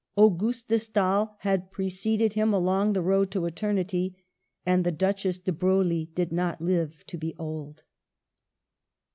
Auguste de StaeL had preceded him along the road to eternity, and the Duchess de Broglie did not live to be old.